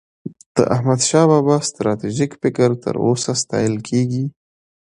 د احمدشاه بابا ستراتیژيک فکر تر اوسه ستایل کېږي.